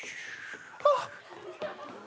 あっ！